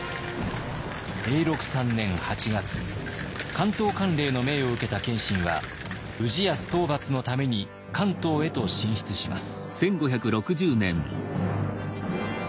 関東管領の命を受けた謙信は氏康討伐のために関東へと進出します。